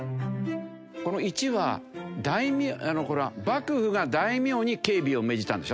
この１は幕府が大名に警備を命じたんでしょ。